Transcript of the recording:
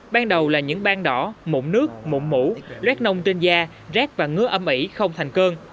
ban đầu là những ban đỏ mụn nước mụn mũ loét nông trên da rác và ngứa âm ỉ không thành cơn